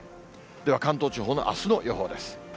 では、関東地方のあすの予報です。